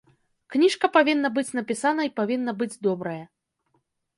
Кніжка павінна быць напісана і павінна быць добрая.